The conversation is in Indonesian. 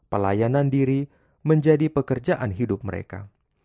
pelayanan diri menjadi pekerjaan hidup mereka